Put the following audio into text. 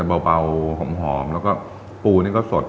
เบาหอมแล้วก็ปูนี่ก็สด